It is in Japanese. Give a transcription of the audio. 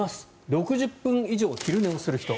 ６０分以上昼寝をする人。